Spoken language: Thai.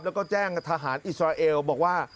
แล้วก็แจ้งกับทหารอิสราเอลบอกว่า